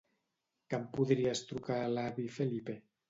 Que em podries trucar a l'avi Felipe?